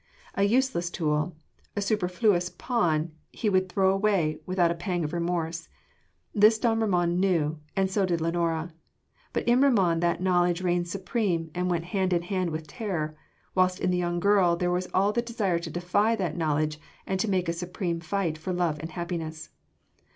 A useless tool, a superfluous pawn he would throw away without a pang of remorse: this don Ramon knew and so did Lenora but in Ramon that knowledge reigned supreme and went hand in hand with terror, whilst in the young girl there was all the desire to defy that knowledge and to make a supreme fight for love and happiness.